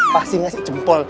pasti ngasih jempol